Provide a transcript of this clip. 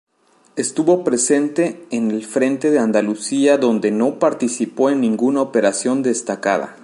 Estuvo presente en el Frente de Andalucía, donde no participó en ninguna operación destacada.